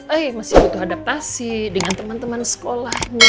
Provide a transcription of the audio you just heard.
eh masih butuh adaptasi dengan temen temen sekolahnya